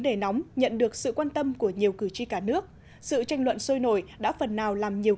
đề nóng nhận được sự quan tâm của nhiều cử tri cả nước sự tranh luận sôi nổi đã phần nào làm nhiều